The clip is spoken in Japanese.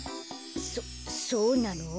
そそうなの？